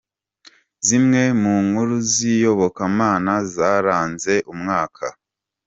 Zimwe mu nkuru z’iyobokamana zaranze umwaka